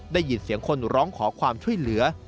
ได้ยินเสียงคนร้องขอความช่วยเหลือ